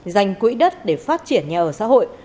dành quỹ đất để phát triển nhà ở xã hội